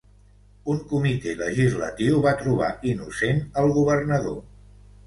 Un comitè legislatiu va trobar innocent al governador.